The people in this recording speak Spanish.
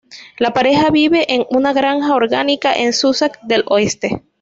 La pareja vive en una granja orgánica, en Sussex del Oeste.